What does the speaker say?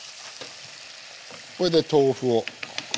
これで豆腐を。